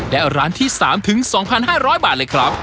และร้านที่๓ถึง๒๕๐๐บาท